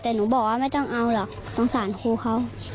แต่หนูบอกว่าไม่ต้องเอาหรอกสงสารครูเขา